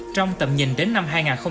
trong tầm nhìn đến năm hai nghìn năm mươi